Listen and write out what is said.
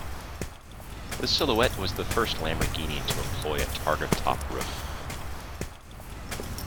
The Silhouette was the first Lamborghini to employ a targa top roof.